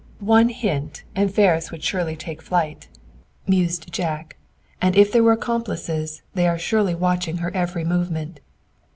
"One hint, and Ferris would take flight," mused Jack. "And if there were accomplices, they are surely watching her every movement."